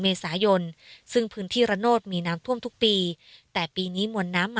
ใช้ข้าวปลูกครับเพราะตอนนี้ข้าวปลูกแพงมาก